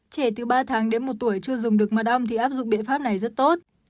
trẻ từ ba tháng đến một tuổi chưa dùng được mật ong thì áp dụng biện pháp này rất tốt